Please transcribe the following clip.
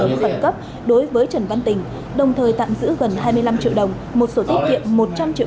ứng phẩm cấp đối với trần văn tình đồng thời tạm giữ gần hai mươi năm triệu đồng một số tiết kiệm một trăm linh triệu